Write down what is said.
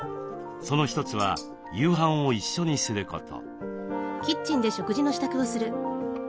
その一つは夕飯を一緒にすること。